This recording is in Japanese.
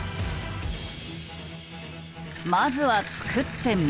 まずは作ってみる。